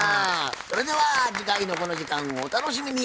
それでは次回のこの時間をお楽しみに。